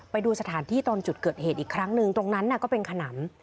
ไปดูสถานที่ตอนจุดเกิดเหตุอีกครั้งหนึ่งตรงนั้นก็เป็นขนำ